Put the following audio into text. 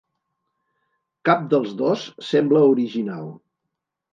Cap dels dos sembla original.